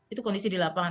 itu kondisi di lapangan